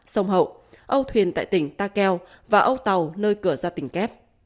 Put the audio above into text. sông hậu âu thuyền tại tỉnh ta keo và âu tàu nơi cửa ra tỉnh kép